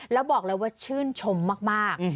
แล้วบอกเลยว่าชื่นชมมาก